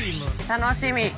楽しみ。